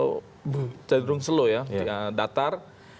bahkan slow cenderung slow ya datar